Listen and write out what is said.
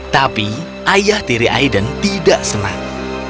tapi ayah tiri aiden tidak senang